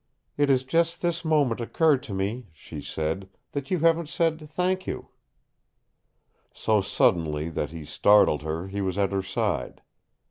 "It has just this moment occurred to me," she said, "that you haven't said 'Thank you.'" So suddenly that he startled her he was at her side.